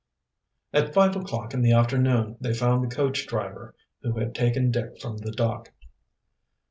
At five o'clock in the afternoon they found the coach driver who had taken Dick from the dock.